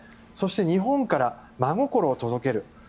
そして日本から真心を届ける。